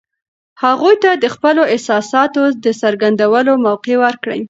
هغوی ته د خپلو احساساتو د څرګندولو موقع ورکړئ.